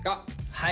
はい。